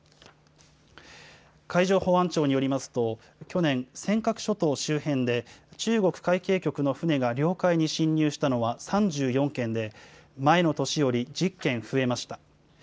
海上保安庁によりますと、去年、尖閣諸島周辺で、中国海警局の船が領海に侵入したのは３４件で、前の年より１０件増えました。